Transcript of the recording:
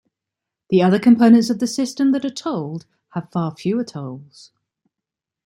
The other components of the system that are tolled have far fewer tolls.